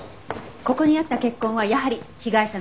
ここにあった血痕はやはり被害者の血液でした。